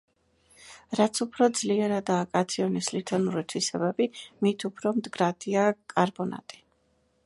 რაც უფრო ძლიერადაა კათიონის ლითონური თვისებები, მით უფრო მდგრადია კარბონატი.